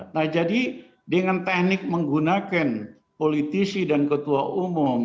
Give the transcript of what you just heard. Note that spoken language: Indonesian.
nah jadi dengan teknik menggunakan politisi dan ketua umum